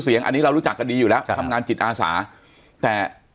เสียงอันนี้เรารู้จักกันดีอยู่แล้วทำงานจิตอาสาแต่